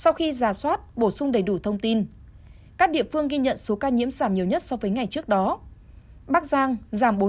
sau khi rà soát bổ sung đầy bệnh sở y tế bắc giang đăng ký bổ sung tám trăm năm mươi ba ca trên hệ thống quốc gia quản lý ca bệnh covid một mươi chín sau khi rà soát bổ sung đầy bệnh